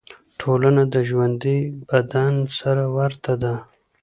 ټولنه د ژوندي بدن سره ورته ده.